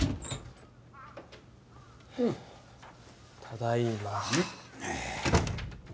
ただいま。